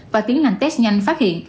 và tiến hành test nhanh phát hiện